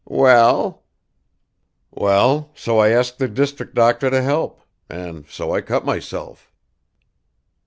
"Well?" "Well, so I asked the district doctor to help; and so I cut myself."